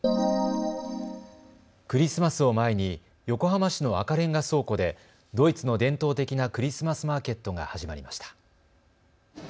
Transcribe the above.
クリスマスを前に横浜市の赤レンガ倉庫でドイツの伝統的なクリスマスマーケットが始まりました。